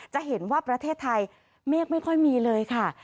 จะเห็นว่าประเทศไทยเมฆไม่ค่อยมีเลยค่ะ